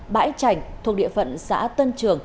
bãi chảnh thuộc địa phận xã tân trường